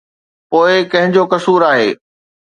پوءِ ڪنهن جو قصور آهي؟